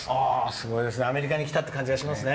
すごいですねアメリカに来たって感じがしますね。